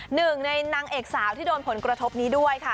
หนึ่งในนางเอกสาวที่โดนผลกระทบนี้ด้วยค่ะ